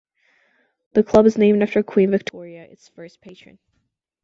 The club is named after Queen Victoria, its first patron.